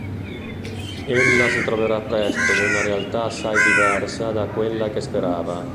Ella si troverà presto in una realtà assai diversa da quella che sperava.